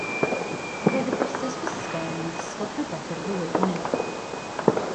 Roedd y broses wisgo yn un ddysgodd rywbeth i'r ddwy ohonyn nhw.